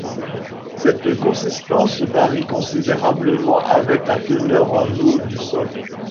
Cette consistance varie considérablement avec la teneur en eau du sol.